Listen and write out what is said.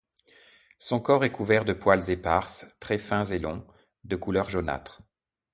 Son corps est couvert de poils épars, très fins et longs, de couleur jaunâtre.